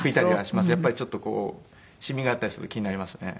やっぱりシミがあったりすると気になりますよね。